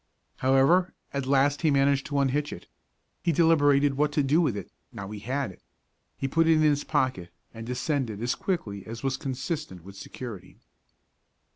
However, at last he managed to unhitch it. He deliberated what to do with it, now he had it. He put it in his pocket, and descended as quickly as was consistent with security.